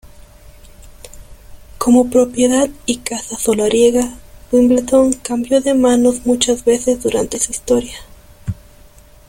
Como propiedad y casa solariega, Wimbledon cambió de manos, muchas veces, durante su historia.